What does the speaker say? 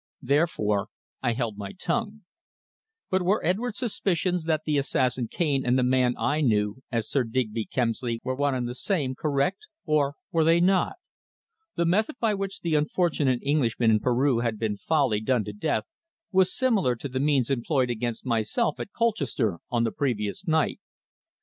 Therefore I had held my tongue. But were Edwards' suspicions that the assassin Cane and the man I knew as Sir Digby Kemsley were one and the same, correct, or were they not? The method by which the unfortunate Englishman in Peru had been foully done to death was similar to the means employed against myself at Colchester on the previous night.